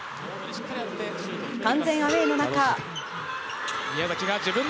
完全アウェーの中。